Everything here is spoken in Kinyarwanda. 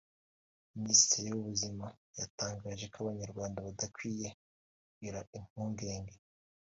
Minisiteri y’Ubuzima yatangaje ko Abanyarwanda badakwiye kugira impungenge